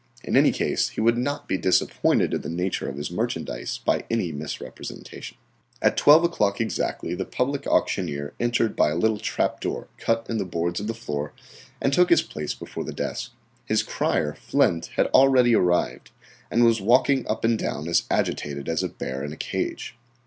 In any case he would not be disappointed in the nature of his merchandise by any misrepresentation. At 12 o'clock exactly the public auctioneer entered by a little trap door cut in the boards of the floor and took his place before the desk. His crier, Flint, had already arrived, and was walking up and down as agitated as a bear in a cage.